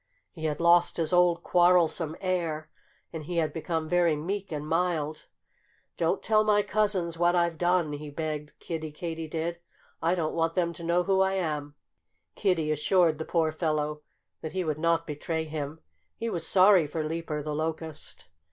He had lost his old, quarrelsome air; and he had become very meek and mild. "Don't tell my cousins what I've done!" he begged Kiddie Katydid. "I don't want them to know who I am." Kiddie assured the poor fellow that he would not betray him. He was sorry for Leaper the Locust.